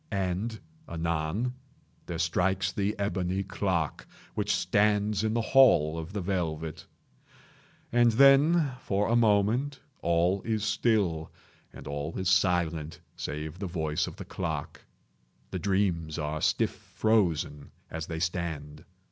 And, anon, there strikes the ebony clock which stands in the hall of the velvet. And then, for a moment, all is still, and all is silent save the voice of the clock. The dreams are stiff frozen as they stand.